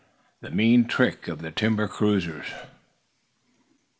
THE MEAN TRICK OF THE TIMBER CRUISERS.